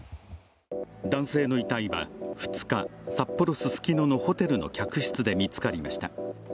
男性の遺体は２日、札幌ススキノのホテルの客室で見つかりました。